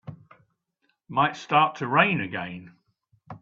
Might start to rain again.